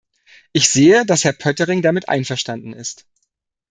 Ich sehe, dass Herr Poettering damit einverstanden ist.